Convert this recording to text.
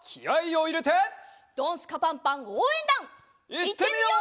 いってみよう！